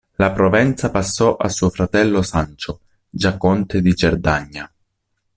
La Provenza passò a suo fratello Sancho, già conte di Cerdagna.